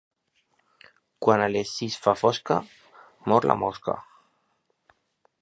Quan a les sis fa fosca, mor la mosca.